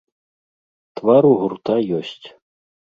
Твар у гурта ёсць.